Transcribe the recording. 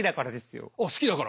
あっ好きだから。